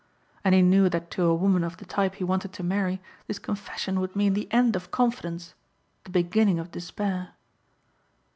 And he knew that to a woman of the type he wanted to marry this confession would mean the end of confidence the beginning of despair.